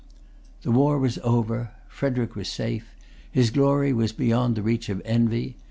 The war was over. Frederic was safe. His glory was beyond the reach of envy.